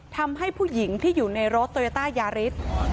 ทำให้ผู้หญิงที่อยู่ในรถโตโยต้ายาริส